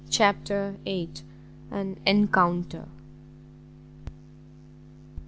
CHAPTER vii. AN ENCOUNTER.